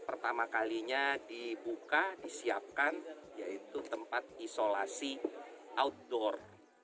pertama kalinya dibuka disiapkan yaitu tempat isolasi outdoor